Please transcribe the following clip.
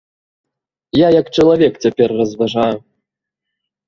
Я як чалавек цяпер разважаю.